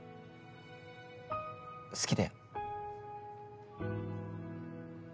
好きだよ。